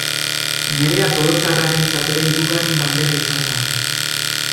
Nerea tolosarrarentzat ere hirugarren bandera izan da.